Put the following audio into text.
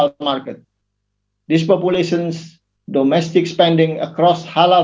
pembuatan domestik dari populasi ini melalui produk dan perusahaan halal